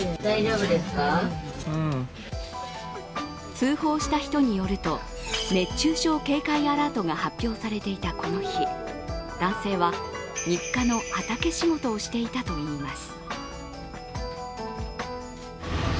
通報した人によると熱中症警戒アラートが発表されていたこの日、男性は日課の畑仕事をしていたといいます。